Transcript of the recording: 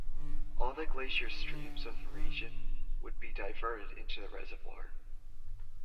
All the glacier streams of the region would be diverted into the reservoir.